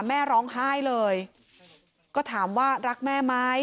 แม่ร้องไห้เลยก็ถามว่ารักแม่ไหม